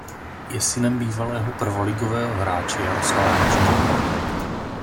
Je synem bývalého prvoligového hráče Jaroslava Maška.